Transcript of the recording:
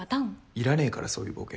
いらねぇからそういうボケ。